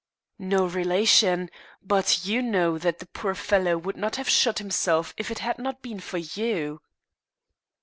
"No relation but you know that the poor fellow would not have shot himself if it had not been for you."